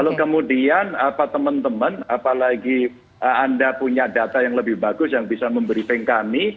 tapi kemudian apa teman teman apalagi anda punya data yang lebih bagus yang bisa memberi pengkami